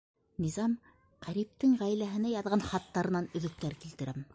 Низам Ҡәриптең ғаиләһенә яҙған хаттарынан өҙөктәр килтерәм.